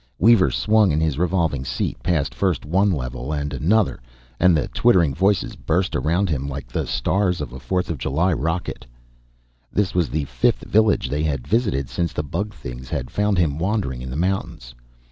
Weaver swung in his revolving seat past first one level and another, and the twittering voices burst around him like the stars of a Fourth of July rocket. This was the fifth village they had visited since the bug things had found him wandering in the mountains.